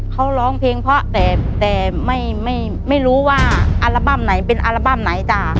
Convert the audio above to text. เขาร้องเพลงเพราะแต่ไม่รู้ว่าอัลบั้มไหนเป็นอัลบั้มไหนจ้ะ